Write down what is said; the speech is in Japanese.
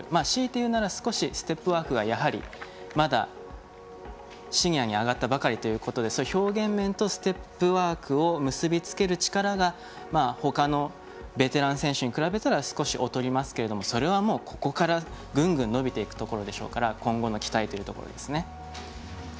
しいて言うならステップワークがやはり、まだシニアに上がったばかりということで表現面とステップワークを結びつける力がほかのベテラン選手に比べたら少し劣りますけれどもそれは、もうここからグングン伸びていくところでしょうから今後に期待というところですね。